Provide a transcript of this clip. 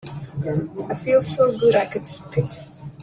I feel so good I could spit.